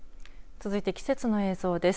続いて季節の映像です。